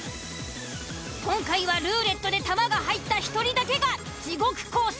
今回はルーレットで球が入った１人だけが地獄コース